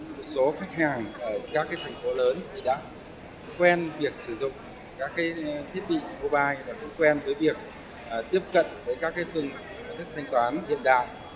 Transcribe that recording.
một số khách hàng ở các thành phố lớn đã quen việc sử dụng các thiết bị mobile để quen với việc tiếp cận với các phương thức thanh toán hiện đại